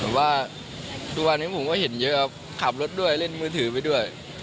แต่ว่าทุกวันนี้ผมก็เห็นเยอะครับขับรถด้วยเล่นมือถือไปด้วย